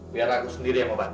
biar aku sendiri yang membantu